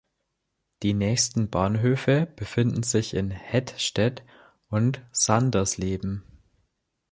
Die nächsten Bahnhöfe befinden sich in Hettstedt und Sandersleben.